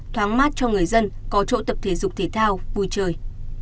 thoáng mát cho người dân có chỗ tập thể dục thể thao vui chơi